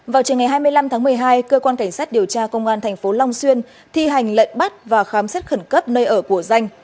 vào trường ngày hai mươi năm tháng một mươi hai cơ quan cảnh sát điều tra công an tp long xuyên thi hành lệnh bắt và khám xét khẩn cấp nơi ở của danh